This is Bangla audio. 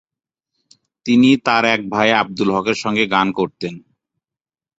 তিনি তার এক ভাই আবদুল হকের সঙ্গে গান করতেন।